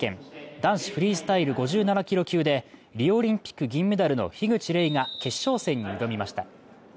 男子フリースタイル５７キロ級でリオオリンピック銀メダルの樋口黎が決勝戦に挑みました。